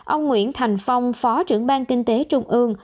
ông nguyễn thành phong phó trưởng ban kinh tế trung ương